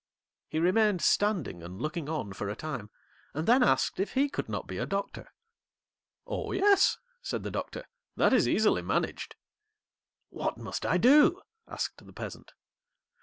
He remained standing and looking on for a time, and then asked if he could not be a Doctor. 'Oh yes!' said the Doctor; 'that is easily managed.' 'What must I do?' asked the Peasant.